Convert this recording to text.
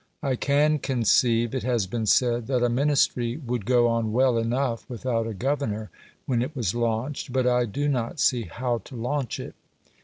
"I can conceive," it has been said, "that a Ministry would go on well enough without a governor when it was launched, but I do not see how to launch it."